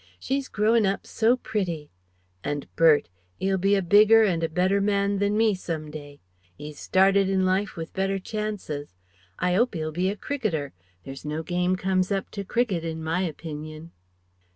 She's growin' up so pretty ... and Bert! 'E'll be a bigger and a better man than me, some day. 'E's started in life with better chances. I 'ope 'e'll be a cricketer. There's no game comes up to cricket, in my opinion..."